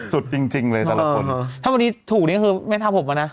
สุดจริงเลยทุกคนถ้าวันนี้ถูกนี้ก็คือไม่ทำผมมานะ